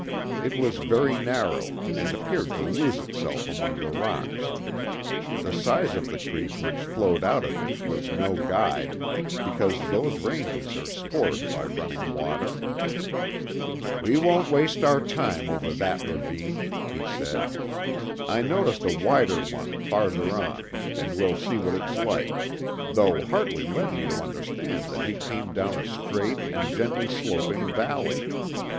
It was very narrow, and appeared to lose itself among the rocks. The size of the creek which flowed out of it was no guide, because those ranges are scored by running water. "We won't waste time over that ravine," he said. "I noticed a wider one farther on, and we'll see what it's like, though Hartley led me to understand that he came down a straight and gently sloping valley.